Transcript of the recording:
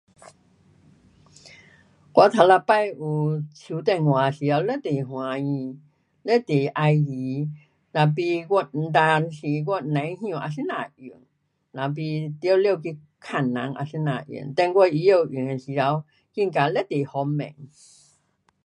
um 我头一次有手电话的时候非常欢喜。非常喜欢，tapi 我有阵时我甭晓啊怎样用。那不全部去问人啊怎样用，等我会晓用的时候觉得非常方便。